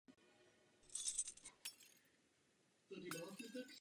Dominovaly jí diskuse o tom, jaká bude cena politických rozhodnutí.